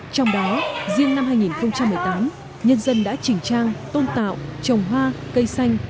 trong đó riêng năm hai nghìn một mươi tám nhân dân đã chỉnh trang tôn tạo trồng hoa cây xanh